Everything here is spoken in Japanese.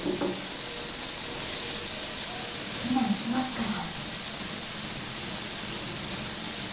今行きますから。